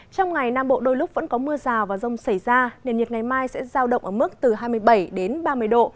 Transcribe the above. trong ngày nam bộ đôi lúc vẫn có mưa rào và rông xảy ra nền nhiệt ngày mai sẽ giao động ở mức từ hai mươi bảy đến ba mươi độ